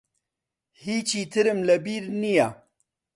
هیچی ترم لە بیر نییە.